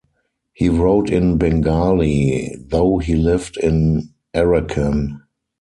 He wrote in Bengali though he lived in Arakan.